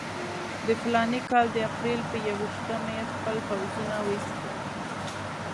د فلاني کال د اپرېل پر یوویشتمه یې خپل پوځونه وایستل.